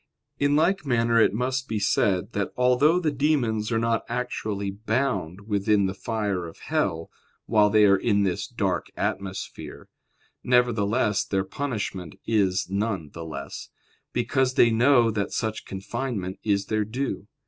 In like manner it must be said, that although the demons are not actually bound within the fire of hell while they are in this dark atmosphere, nevertheless their punishment is none the less; because they know that such confinement is their due.